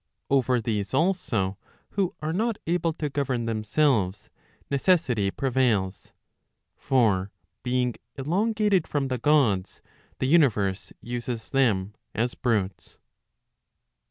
Over these also, who are not able to govern themselves, necessity prevails. For being elongated from the Gods, the universe uses them as brutes.